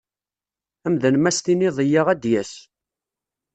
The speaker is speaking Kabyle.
Amdan mi ad s-tiniḍ yya ad d-yas.